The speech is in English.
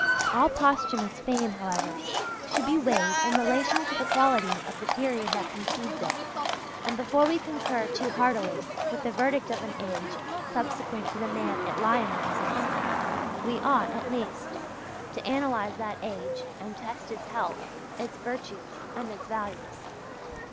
All posthumous fame, however, should be weighed in relation to the quality of the period that concedes it, and before we concur too heartily with the verdict of an age subsequent to the man it lionises, we ought, at least, to analyze that age and test its health, its virtues, and its values.